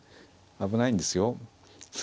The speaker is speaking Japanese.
危ないんですよ。